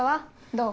どう？